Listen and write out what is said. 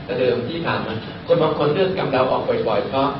อันเดิมที่ตามมันคนบางคนเลือกกำเดาออกบ่อยเพราะ